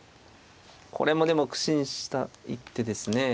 これもでも苦心した一手ですね。